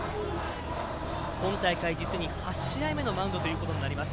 今大会、実に８試合目のマウンドということになります。